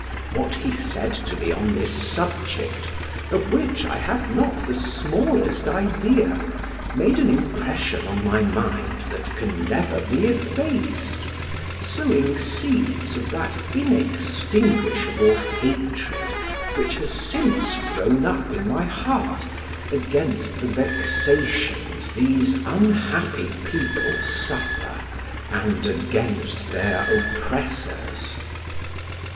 What he said to me on this subject (of which I had not the smallest idea) made an impression on my mind that can never be effaced, sowing seeds of that inextinguishable hatred which has since grow up in my heart against the vexations these unhappy people suffer, and against their oppressors.